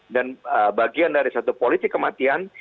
dan bagian dari satu politik kematian